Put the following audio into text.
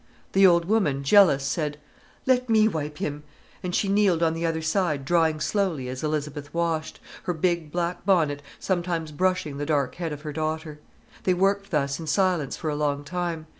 The old woman, jealous, said: "Let me wipe him!"—and she kneeled on the other side drying slowly as Elizabeth washed, her big black bonnet sometimes brushing the dark head of her daughter. They worked thus in silence for a long time.